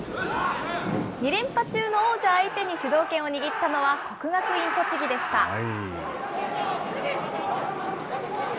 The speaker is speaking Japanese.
２連覇中の王者相手に主導権を握ったのは国学院栃木でした。